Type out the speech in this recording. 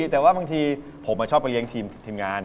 แต่ว่าบางทีผมชอบไปเลี้ยงทีมงาน